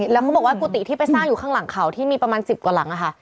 แล้วเขาบอกว่ากุฏิที่ไปสร้างอยู่ข้างหลังเขาที่มีประมาณ๑๐กว่าหลังค่ะ